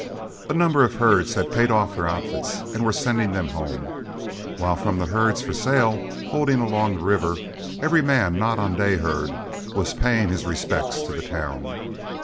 A number of herds had paid off their outfits and were sending them home, while from the herds for sale, holding along the river, every man not on day herd was paying his respects to the town.